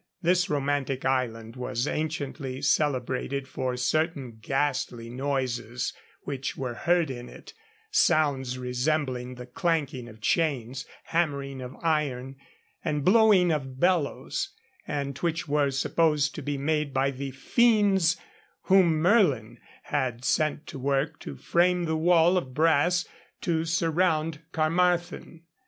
This romantic island was anciently celebrated for certain ghastly noises which were heard in it sounds resembling the clanking of chains, hammering of iron, and blowing of bellows and which were supposed to be made by the fiends whom Merlin had set to work to frame the wall of brass to surround Carmarthen.